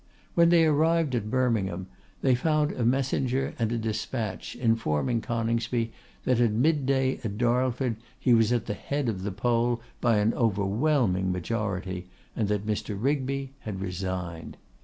When they arrived at Birmingham, they found a messenger and a despatch, informing Coningsby, that at mid day, at Darlford, he was at the head of the poll by an overwhelming majority, and that Mr. Rigby had resigned.